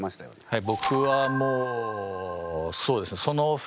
はい。